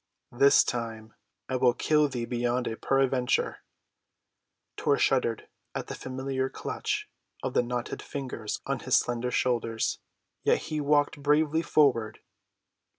This time I will kill thee beyond a peradventure." Tor shuddered at the familiar clutch of the knotted fingers on his slender shoulders. Yet he walked bravely forward.